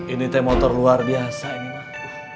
ini teh motor luar biasa ini mah